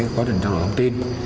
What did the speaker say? quá trình trao đổi thông tin